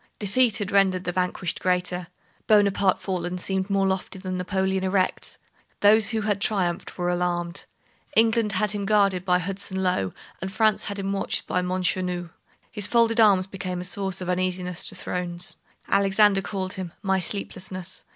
Defeat had rendered the vanquished greater. Bonaparte fallen seemed more lofty than Napoleon erect. Those who had triumphed were alarmed. England had him guarded by Hudson Lowe, and France had him watched by Montchenu. His folded arms became a source of uneasiness to thrones. Alexander called him "my sleeplessness."